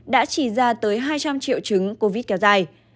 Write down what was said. đã chỉ ra tới hai trăm linh triệu chứng covid kéo dài